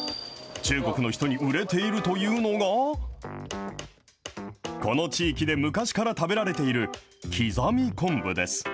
中国の人に売れているというのが、この地域で昔から食べられている、刻み昆布です。